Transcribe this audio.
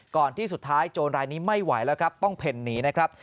ที่สุดท้ายโจรรายนี้ไม่ไหวแล้วครับต้องเพ่นหนีนะครับ